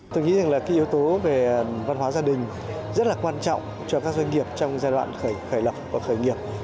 tôi nghĩ rằng là cái yếu tố về văn hóa gia đình rất là quan trọng cho các doanh nghiệp trong giai đoạn khởi lập và khởi nghiệp